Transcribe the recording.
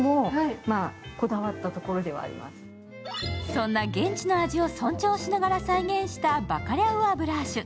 そんな現地の味を尊重しながら再現したバカリャウ・ア・ブラーシュ。